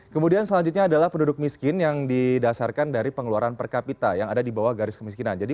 kemudian selanjutnya adalah penduduk miskin yang didasarkan dari pengeluaran per kapita yang ada di bawah garis kemiskinan